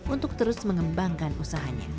untuk terus mengembangkan usahanya